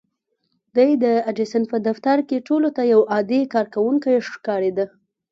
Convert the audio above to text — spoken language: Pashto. دی د ايډېسن په دفتر کې ټولو ته يو عادي کارکوونکی ښکارېده.